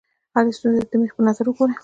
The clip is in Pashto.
هرې ستونزې ته د مېخ په نظر وګورئ.